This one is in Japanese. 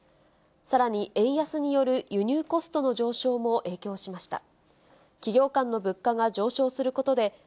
さらに、円安による輸入コストの上昇も影響しました。